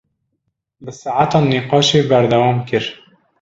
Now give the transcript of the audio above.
Bi saetan nîqaşê berdewam kir.